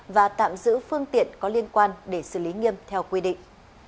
và tạm giữ phương tiện có liên quan để xử lý nghiêm theo quy định